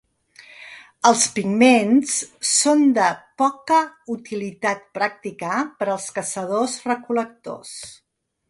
Els pigments són de poca utilitat pràctica per als caçadors-recol·lectors.